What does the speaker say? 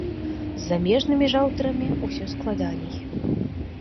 З замежнымі ж аўтарамі ўсё складаней.